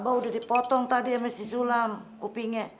abang udah dipotong tadi ya mesi sulam kupingnya